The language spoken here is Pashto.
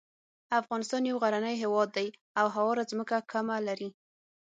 افغانستان یو غرنی هیواد دی او هواره ځمکه کمه لري.